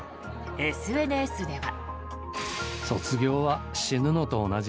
ＳＮＳでは。